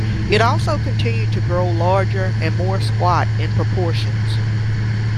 It also continued to grow larger and more squat in proportions.